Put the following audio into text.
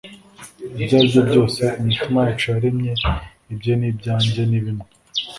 Ibyo ari byo byose imitima yacu yaremye, ibye n'ibyanjye ni bimwe.”